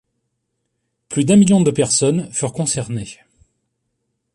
Plus d'un million de personnes furent concernées.